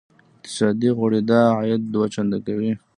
اقتصادي غوړېدا عاید دوه چنده کوي.